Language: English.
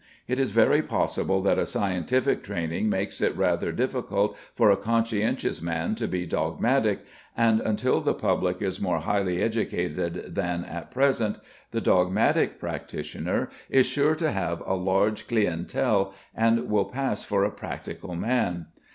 It is very possible that a scientific training makes it rather difficult for a conscientious man to be dogmatic, and until the public is more highly educated than at present, the dogmatic practitioner is sure to have a large clientèle and will pass for a practical man.